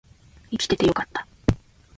生きててよかった